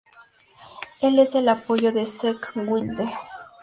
Él es el apoyo de Zakk Wylde.